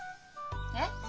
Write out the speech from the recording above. えっ？